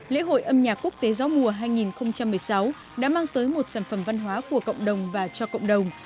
lễ hội âm nhạc quốc tế gió mùa hai nghìn một mươi sáu đã mang tới một sản phẩm văn hóa của cộng đồng và cho cộng đồng